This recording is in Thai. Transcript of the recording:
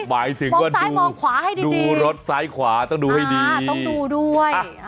หมายถึงว่าซ้ายมองขวาให้ดีดูรถซ้ายขวาต้องดูให้ดีต้องดูด้วย